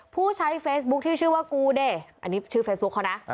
ผู้ใช้เฟซบุ๊คที่ชื่อว่ากูดิอันนี้ชื่อเฟซบุ๊คเขานะ